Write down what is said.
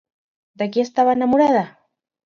De qui estava enamorada?